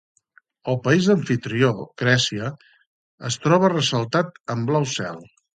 El país d'amfitrió, Grècia, es troba ressaltat en blau cel.